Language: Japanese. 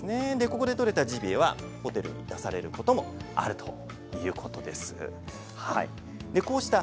ここでとれたジビエはホテルで出されることもあるということでした。